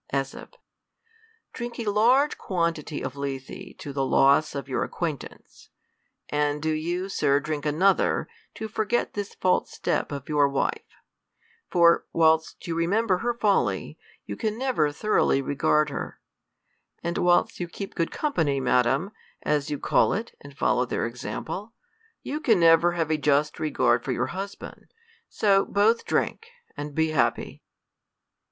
Ms. Drink a large quantity of lethe to the loss of your acquaintance ; and do you, Sir, drink another, to forget this false step of your wife ; for whilst you remember her folly, you can never thoroughly regard her; and whilst you keep good company, madam, as you call it, and follow their example, you can never have a just regard for your husband ; so bpth drink and be happy.